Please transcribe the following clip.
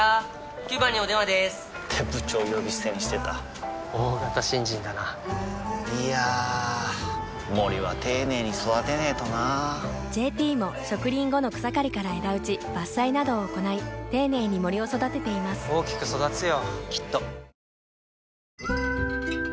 ９番にお電話でーす！って部長呼び捨てにしてた大型新人だないやー森は丁寧に育てないとな「ＪＴ」も植林後の草刈りから枝打ち伐採などを行い丁寧に森を育てています大きく育つよ